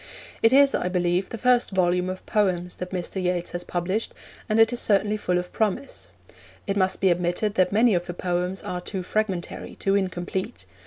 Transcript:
It is, I believe, the first volume of poems that Mr. Yeats has published, and it is certainly full of promise. It must be admitted that many of the poems are too fragmentary, too incomplete.